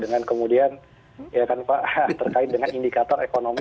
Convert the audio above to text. dengan kemudian terkait dengan indikator ekonomi